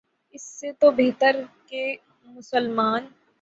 اس سے تو بہتر ہے کہ مسلمان